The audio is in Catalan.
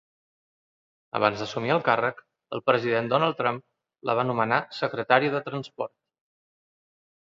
Abans d'assumir el càrrec, el president Donald Trump la va nomenar secretària de Transport.